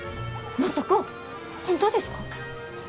まさか本当ですか？